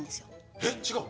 えっ、違うの？